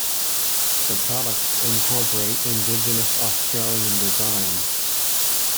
The products incorporate Indigenous Australian designs.